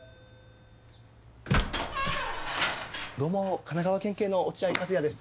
どうも神奈川県警の落合和哉です。